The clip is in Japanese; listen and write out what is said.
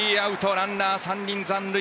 ランナー３人残塁。